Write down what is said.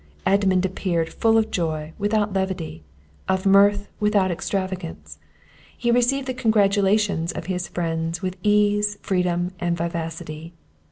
Edmund appeared full of joy without levity, of mirth without extravagance; he received the congratulations of his friends, with ease, freedom, and vivacity.